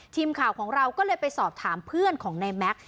ทีมข่าวของเราก็เลยไปสอบถามเพื่อนของนายแม็กซ์